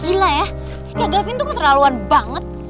gila ya si kak gavin tuh keterlaluan banget